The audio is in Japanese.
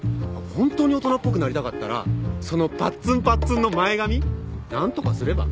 ホントに大人っぽくなりたかったらそのぱっつんぱっつんの前髪何とかすれば？